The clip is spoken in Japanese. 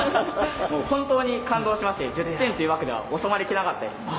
本当に感動しまして１０点という枠では収まりきらなかったです。